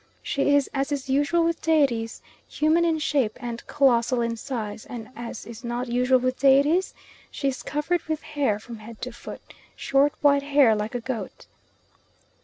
She is, as is usual with deities, human in shape and colossal in size, and as is not usual with deities, she is covered with hair from head to foot, short white hair like a goat.